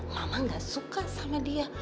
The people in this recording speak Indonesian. mama gak suka sama dia